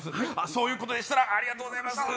そういうことでしたらありがとうございます。